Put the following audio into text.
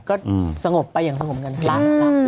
ก็สงบไว้อย่างสงบเหมือนกันค่ะ